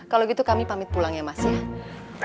kalau gitu kami pamit pulang ya mas ya